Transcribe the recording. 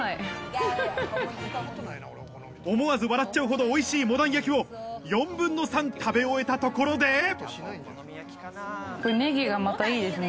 思わず笑っちゃうほどおいしいモダン焼きを４分の３食べ終えたところでネギがまたいいですね。